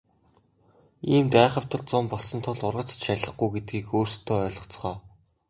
Иймд айхавтар зун болсон тул ургац ч шалихгүй гэдгийг өөрсдөө ойлгоцгоо.